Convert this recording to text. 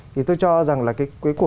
thì tôi cho rằng là cái cuộc khóa